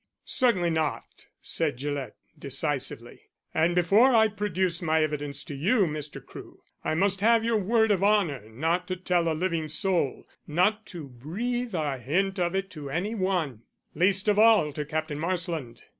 "Certainly not," said Gillett decisively. "And before I produce my evidence to you, Mr. Crewe, I must have your word of honour not to tell a living soul, not to breathe a hint of it to any one, least of all to Captain Marsland.